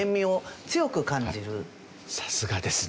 さすがですね！